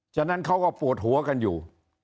ฉะนั้นเขาก็ปวดหัวกันอยู่